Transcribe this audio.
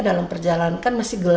dalam perjalanan kan masih gelap